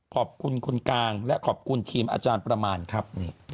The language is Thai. ขอบคุณคนกลางและขอบคุณทีมอาจารย์ประมาณครับ